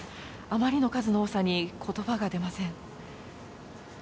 あまりの数の多さに、ことばが出ません。